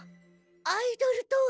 アイドルとは。